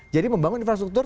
jadi membangun infrastruktur